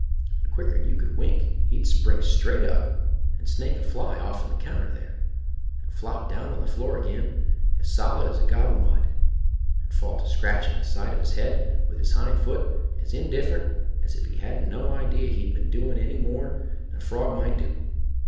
and quicker'n you could wink he'd spring straight up and snake a fly off'n the counter there, and flop down on the floor ag'in as solid as a gob of mud, and fall to scratching the side of his head with his hind foot as indifferent as if he hadn't no idea he'd been doin' any more'n any frog might do.